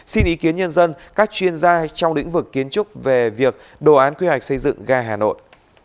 xin ý kiến nhân dân các chuyên gia trong lĩnh vực kiến trúc về việc đồ án quy hoạch xây dựng ga hà nội